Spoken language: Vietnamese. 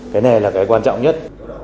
cái này là cái quan trọng nhất